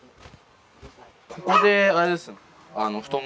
ここであれですね布団